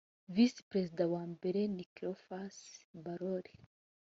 Visi Perezida wa mbere ni Cleophas Barore